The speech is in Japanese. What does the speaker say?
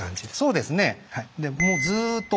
そうですね。